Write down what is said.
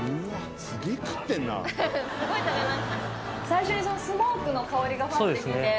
最初にスモークの香りがふわってきて・